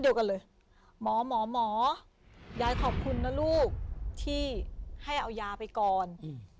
เดียวกันเลยหมอหมอยายขอบคุณนะลูกที่ให้เอายาไปก่อนอืม